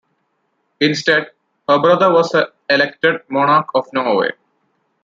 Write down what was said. Instead, her brother was elected monarch of Norway.